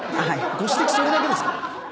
ご指摘それだけですか？